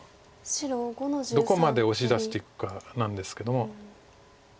どこまでオシ出していくかなんですけども。